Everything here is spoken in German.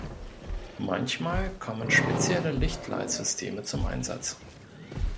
Manchmal kommen spezielle Lichtleit-Systeme zum Einsatz.